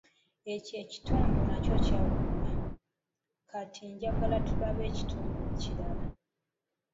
Ekyo ekitundu nakyo kyaggwa, kati ate njagala tulabe ekitundu ekirala.